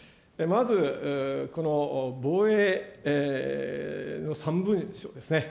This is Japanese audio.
まず、この防衛の三文書です。